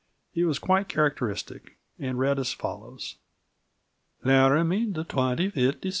It was quite characteristic, and read as follows: "Laramy the twenty fitt dec.